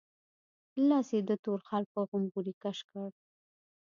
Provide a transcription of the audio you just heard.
لاس يې د تور خال په غومبري کش کړ.